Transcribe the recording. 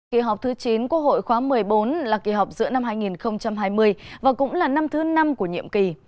kỳ họp thứ chín quốc hội khóa một mươi bốn là kỳ họp giữa năm hai nghìn hai mươi và cũng là năm thứ năm của nhiệm kỳ